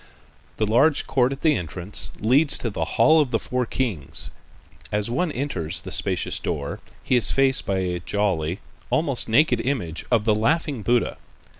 The large court at the entrance leads to the "Hall of the Four Kings." As one enters the spacious door, he is faced by a jolly, almost naked image of the "Laughing Buddha."